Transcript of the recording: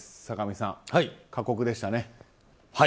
坂上さん、過酷でしたね。